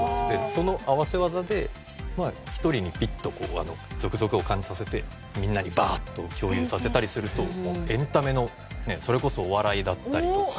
その合わせ技で一人にピッとゾクゾクを感じさせてみんなにバーッと共有させたりするとエンタメのそれこそお笑いだったりとか。